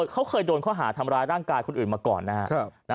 เขาเคยโดนข้อหาทำร้ายร่างกายคนอื่นมาก่อนนะครับ